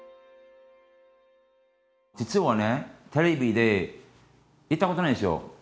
実はねテレビで言ったことないんですよ。